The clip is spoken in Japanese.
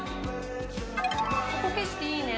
ここ景色いいね。